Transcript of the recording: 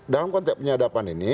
dalam konteks penyadapan ini